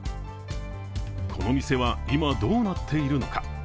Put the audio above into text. この店は今、どうなっているのか。